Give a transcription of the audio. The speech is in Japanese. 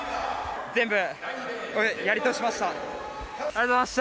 全部、やり通しました。